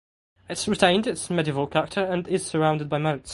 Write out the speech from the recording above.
It has retained its medieval character and is surrounded by moats.